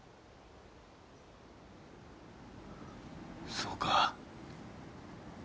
そうか。